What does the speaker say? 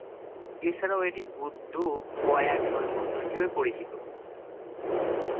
এছাড়াও এটি বুদ্ধ গয়া বিমানবন্দর হিসাবে পরিচিত।